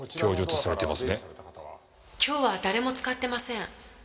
今日は誰も使ってません。